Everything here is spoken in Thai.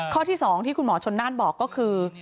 ข้อที่๒ที่คุณหมอชนน่านบอกก็คือ